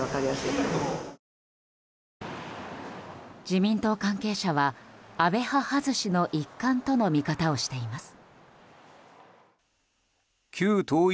自民党関係者は安倍派外しの一環との見方をしています。